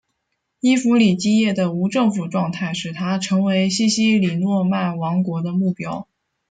伊弗里基叶的无政府状态使它成为西西里诺曼王国的目标。